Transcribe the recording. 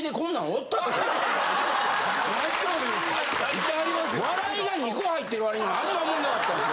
いてはりますよ。